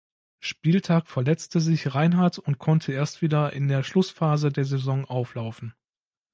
Spieltag verletzte sich Reinhardt und konnte erst wieder in der Schlussphase der Saison auflaufen.